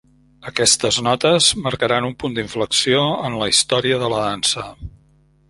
Aquestes notes marcaran un punt d'inflexió en la història de la dansa.